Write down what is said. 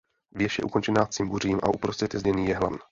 Věž je ukončena cimbuřím a uprostřed je zděný jehlan.